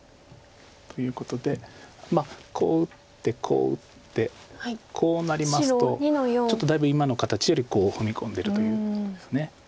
ということでこう打ってこう打ってこうなりますとちょっとだいぶ今の形より踏み込んでるということです。